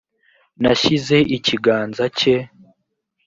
nashyize ikiganza cye